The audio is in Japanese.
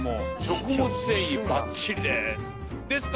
食物繊維ばっちりです。